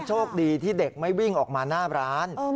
โชคดีที่เด็กไม่วิ่งออกมาหน้าร้าน